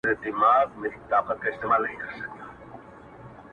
موږ مین په رڼا ګانو؛ خدای راکړی دا نعمت دی,